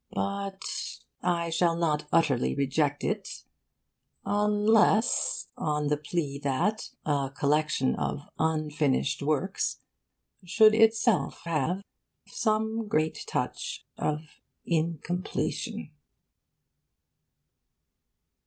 But I shall not utterly reject it unless on the plea that a collection of unfinished works should itself have some great touch of incompletion.